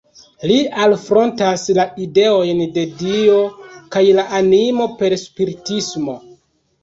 Li alfrontas la ideojn de Dio kaj la animo per spiritismo.